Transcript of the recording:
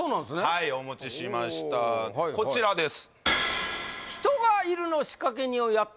はいお持ちしましたこちらです